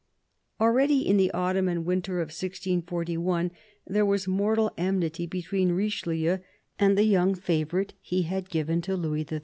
Already, in the autumn and winter of 1641, there was mortal enmity between Richelieu and the young favourite he had given to Louis XIII.